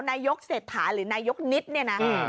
นายกเศรษฐาหรือนายกนิดเนี่ยนะ